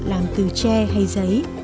làm từ tre hay giấy